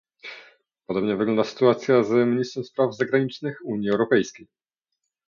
Podobnie wygląda sytuacja z ministrem spraw zagranicznych Unii Europejskiej